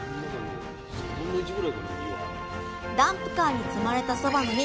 ダンプカーに積まれたそばの実。